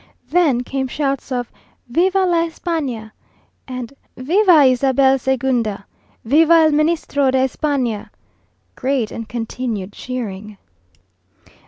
Then came shouts of "Viva la Espana!" "Viva Ysabel Segunda!" "Viva el Ministro de Espana!" Great and continued cheering.